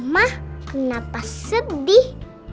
ma kenapa sedih